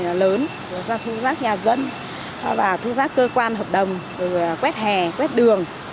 chúng ta thu rác nhà dân và thu rác cơ quan hợp đồng quét hè quét đường